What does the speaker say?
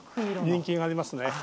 人気がありますね。